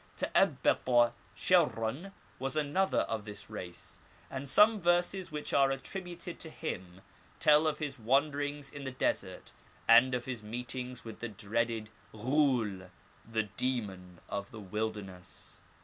Ta^abbata Sherran was another of this race, and some verses which are attributed to him tell of his wanderings in the desert, and of his meetings with the dreaded Ghul, the demon of the wilderness.